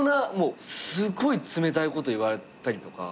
すっごい冷たいこと言われたりとか。